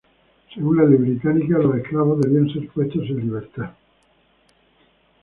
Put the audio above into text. Según la ley británica, los esclavos debían ser puestos en libertad.